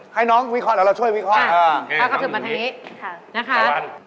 ให้น้องวิเคราะห์แล้วเราช่วยวิเคราะห์สอบนี้นะครับท่านสลุระมาอยากอยากอยู่